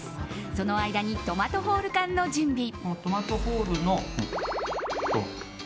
その間にトマトホール缶の準備。